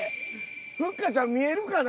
ふっかちゃん見えるかな？